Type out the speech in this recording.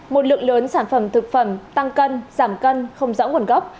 một lượng lớn sản phẩm thực phẩm tăng cân giảm cân không rõ nguồn gốc